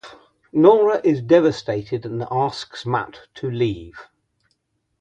Nora is devastated and asks Matt to leave.